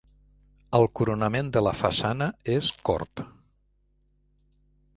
El coronament de la façana és corb.